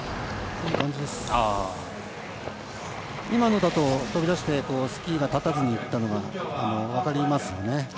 今のだと、飛び出してスキーが立たずにいったのが分かりますよね。